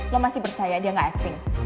lo masih percaya dia gak acting